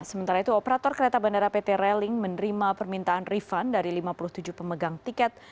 sementara itu operator kereta bandara pt railing menerima permintaan refund dari lima puluh tujuh pemegang tiket